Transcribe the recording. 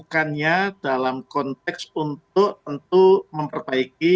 melakukannya dalam konteks untuk memperbaiki